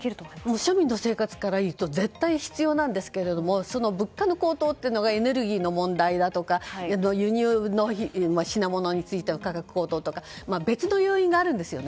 庶民の生活からいうと絶対に必要なんですが物価の高騰がエネルギーの問題だとか輸入の品物について価格高騰とか別の要因があるんですよね。